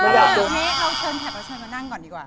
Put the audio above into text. เพะนี้เราเชิญแทคเราเชิญมานั่งก่อนดีกว่า